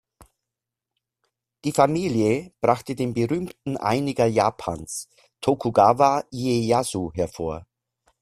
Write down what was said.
Die Familie brachte den berühmten Einiger Japans, Tokugawa Ieyasu, hervor.